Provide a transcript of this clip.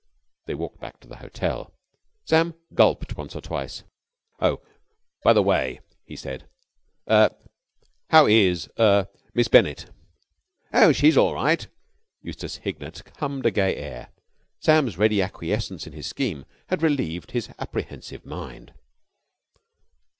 They walked back to the hotel. Sam gulped once or twice. "Oh, by the way," he said, "Er how is er Miss Bennett?" "Oh, she's all right." Eustace Hignett hummed a gay air. Sam's ready acquiescence in his scheme had relieved his apprehensive mind.